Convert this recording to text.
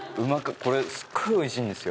これすっごいおいしいんですよ。